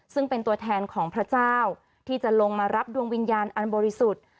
ซึ่งเป็นตัวแทนของพระเจ้าที่จะลงมารับดวงวิญญาณอันบริสุทธิ์